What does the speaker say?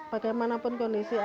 bagaimanapun kondisi anak